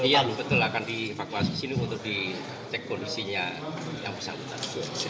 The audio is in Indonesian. iya betul akan di evakuasi sini untuk di cek kondisinya yang bersangkutan